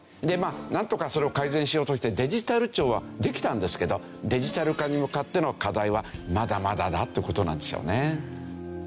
なんとかそれを改善しようとしてデジタル庁はできたんですけどデジタル化に向かっての課題はまだまだだっていう事なんですよね。